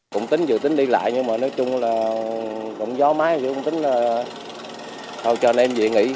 cũng tính vừa tính đi lại nhưng mà nói chung là động gió mái cũng tính là thôi cho anh em dị nghỉ